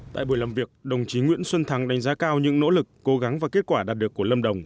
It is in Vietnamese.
tại buổi làm việc đồng chí nguyễn xuân thắng đánh giá cao những nỗ lực cố gắng và kết quả đạt được của lâm đồng